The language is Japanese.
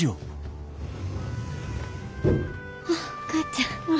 あっお母ちゃん。